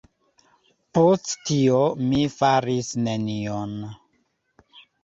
Post tio, mi faris nenion.